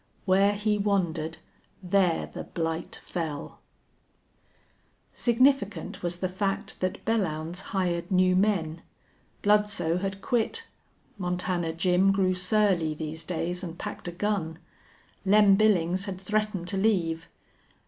Where he wandered there the blight fell! Significant was the fact that Belllounds hired new men. Bludsoe had quit. Montana Jim grew surly these days and packed a gun. Lem Billings had threatened to leave.